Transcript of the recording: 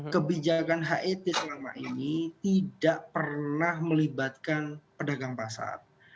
kebijakan het selama ini tidak pernah melibatkan pedagang pasar